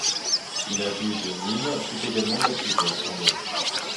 Une avenue de Nîmes fut également baptisée à son nom.